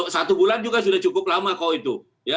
satu bulan juga sudah cukup lama kok itu